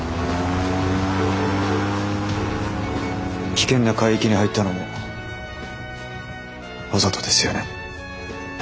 危険な海域に入ったのもわざとですよね？